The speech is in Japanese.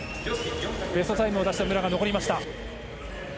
ベストタイムを出した武良が残りました。